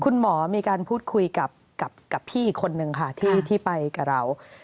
คุณหมอมีการพูดคุยกับพี่อีกคนนึงค่ะที่ไปกับเรา